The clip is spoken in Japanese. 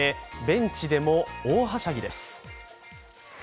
ベンチでも大はしゃぎです。